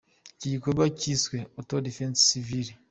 Iki gikorwa cyiswe « Auto-défense civile ».